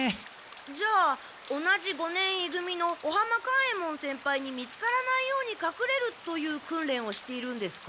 じゃあ同じ五年い組の尾浜勘右衛門先輩に見つからないようにかくれるという訓練をしているんですか？